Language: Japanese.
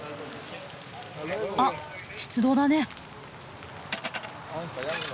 あっ出動だね。